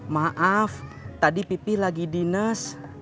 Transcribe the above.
maaf tadi pipih lagi di nes